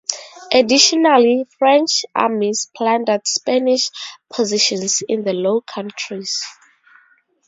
Additionally, French armies plundered Spanish positions in the Low Countries.